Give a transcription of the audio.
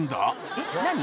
「えっ何？